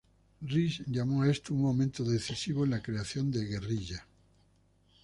Rhys llamó a esto un momento decisivo en la creación de "Guerrilla".